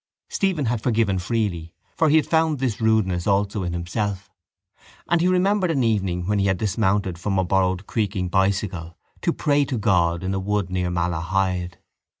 Stephen had forgiven freely for he had found this rudeness also in himself. And he remembered an evening when he had dismounted from a borrowed creaking bicycle to pray to God in a wood near Malahide.